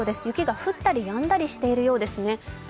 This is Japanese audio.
雪が降ったりやんだりしているようですね。